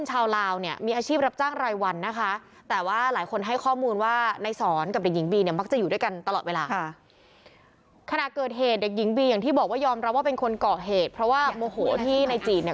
เจอคนที่ถูกเจอคนที่ถูกเจอคนที่ถูกเจอคนที่ถูกเจอคนที่ถูกเจอคนที่ถูกเจอคนที่ถูกเจอคนที่ถูกเจอ